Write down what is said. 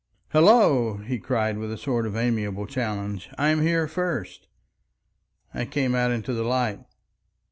"Hullo," he cried, with a sort of amiable challenge. "I'm here first!" I came out into the light.